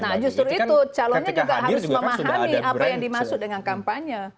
nah justru itu calonnya juga harus memahami apa yang dimaksud dengan kampanye